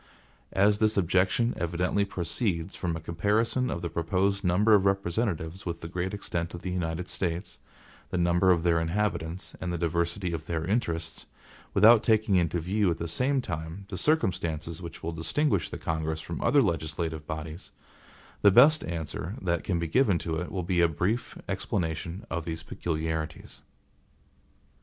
As this objection evidently proceeds from a comparison of the proposed number of representatives with the great extent of the United States, the number of their inhabitants, and the diversity of their interests, without taking into view at the same time the circumstances which will distinguish the Congress from other legislative bodies, the best answer that can be given to it will be a brief explanation of these peculiarities.